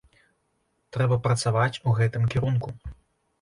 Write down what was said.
Трэба працаваць у гэтым кірунку.